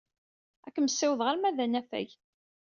Ad kem-ssiwḍeɣ arma d anafag.